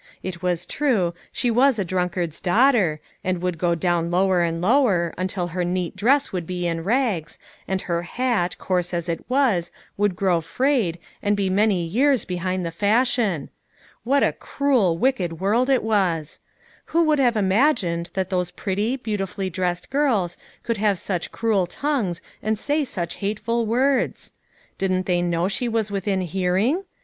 It was true, she was 'a drunkard's daughter, and would go down lower and lower, until her neat dress would be in rags, and her hat, coarse as it was, would grow frayed, and be many years behind the fashion. What a cruel, wicked world it was ! Who could have imagined that those pretty, beautifully dressed girls could have such cruel tongues, and say such hateful words! Didn't they know she was within hearing?